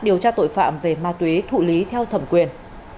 điều tra tội phạm về ma túy thụ lý theo thẩm quyền